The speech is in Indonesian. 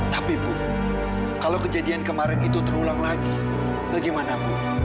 tapi bu kalau kejadian kemarin itu terulang lagi bagaimana bu